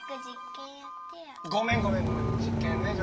ごめんごめんごめん実験ね。